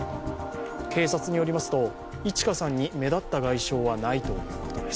警察によりますと、いち花さんに目立った外傷はないということです。